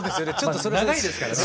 まあ長いですからね。